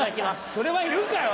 それはいるのかよ